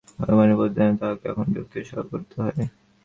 অভিমানের প্রতিদানে তাহাকে এখন বিরক্তি সহ্য করিতে হয়।